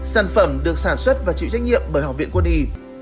sản phẩm được sản xuất và chịu trách nhiệm bởi học viện quân y